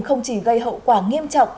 không chỉ gây hậu quả nghiêm trọng